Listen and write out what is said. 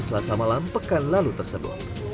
selasa malam pekan lalu tersebut